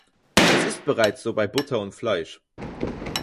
Es ist bereits so bei Butter und Fleisch.